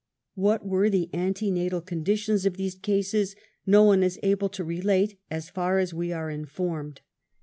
What were the' antenatal conditions of these cases, no one is able to relate, as far as we are informed.